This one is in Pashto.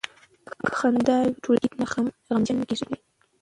که خندا وي نو ټولګی نه غمجن کیږي.